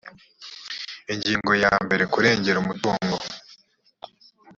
ingingo ya mbere kurengera umutungo